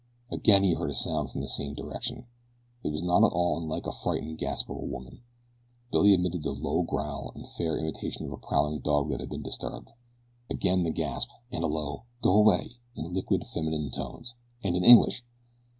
Again he heard a sound from the same direction. It was not at all unlike the frightened gasp of a woman. Billy emitted a low growl, in fair imitation of a prowling dog that has been disturbed. Again the gasp, and a low: "Go away!" in liquid feminine tones and in English!